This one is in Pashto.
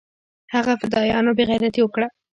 هغه فدايانو بې غيرتي اوکړه.